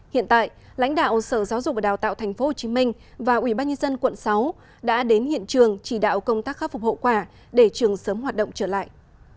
hiện tại lãnh đạo sở giáo dục và đào tạo tp hcm và ubnd quận sáu đã đến hiện trường chỉ đạo công tác khắc phục hậu quả để trường sớm hoạt động trở lại